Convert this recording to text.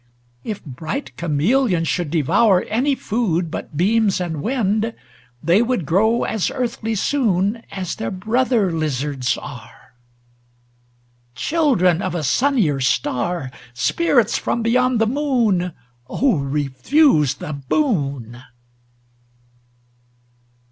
If bright chameleons should devour Any food but beams and wind. They would grow as earthly soon As their brother lizards are. Children of a sunnier star, Spirits from beyond the moon, Oh, refuse the boon